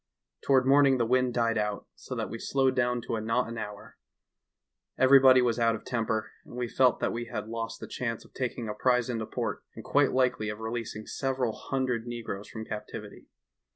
Toward morning the wind died out, so that we slowed down to a knot an hour. Every body was out of temper, as we felt that we had lost the chance of taking a prize into port and quite likely of releasing several hundred negroes from captivity.